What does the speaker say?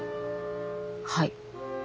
はい。